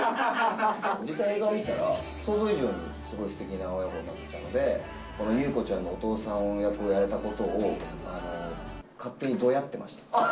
実際に映画を見たら、想像以上にすごいすてきな親子になってたので、この優子ちゃんのお父さん役をやれたことを、勝手にどやってました。